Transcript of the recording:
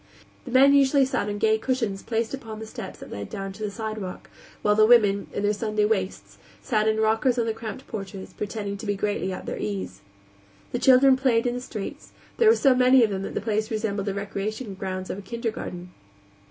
The men usually sat on gay cushions placed upon the steps that led down to the sidewalk, while the women, in their Sunday "waists," sat in rockers on the cramped porches, pretending to be greatly at their ease. The children played in the streets; there were so many of them that the place resembled the recreation grounds of a kindergarten.